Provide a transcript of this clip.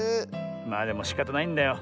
まあでもしかたないんだよ。